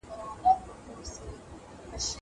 زه به سبا کالي وچوم!